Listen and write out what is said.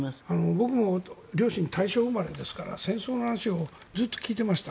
僕も両親大正生まれですから戦争の話をずっと聞いていました。